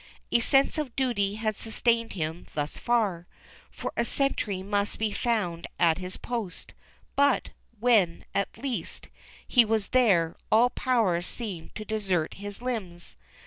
A sense of duty had sustained him thus far, for a sentry must be found at his post; but when, at last, he was there, all power seemed to desert his limbs.